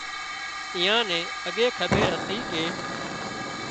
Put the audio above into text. ايئان نين اڳي کٻير هتي ڪي